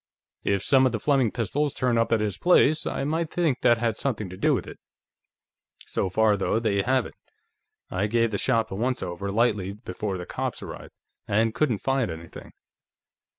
If some of the Fleming pistols turn up at his place, I might think that had something to do with it. So far, though, they haven't. I gave the shop a once over lightly before the cops arrived, and couldn't find anything."